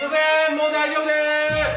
もう大丈夫でーす。